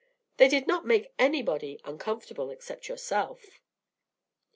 They did not make anybody uncomfortable except yourself."